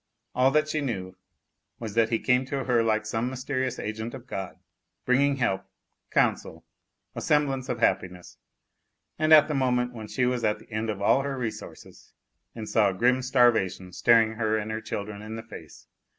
All that she knew was that he came to her like some mysterious agent of God, bringing help, counsel, a semblance of happiness, at the moment when she was at the end of all her resources and saw grim starvation staring her and her children in the face.